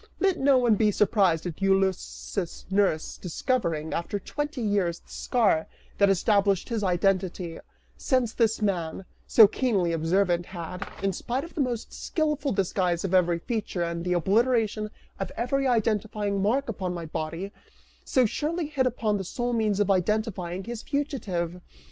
Let no one be surprised at Ulysses' nurse discovering, after twenty years, the scar that established his identity, since this man, so keenly observant, had, in spite of the most skillful disguise of every feature and the obliteration of every identifying mark upon my body, so surely hit upon the sole means of identifying his fugitive!